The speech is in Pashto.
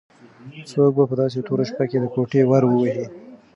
څوک په داسې توره شپه کې د کوټې ور وهي؟